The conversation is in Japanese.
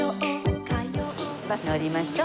乗りましょう。